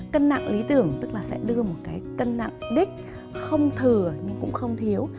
cân nặng lý tưởng tức là sẽ đưa một cái cân nặng đích không thừa nhưng cũng không thiếu